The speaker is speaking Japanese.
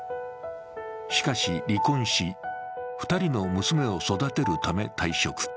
しかし、離婚し、２人の娘を育てるため退職。